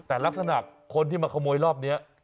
แต่ลักษณะคนที่มาขโมยรอบนี้